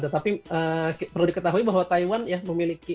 tetapi perlu diketahui bahwa taiwan ya memiliki